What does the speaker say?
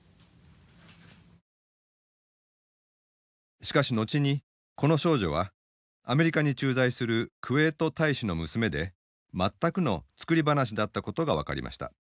しかし後にこの少女はアメリカに駐在するクウェート大使の娘で全くの作り話だったことが分かりました。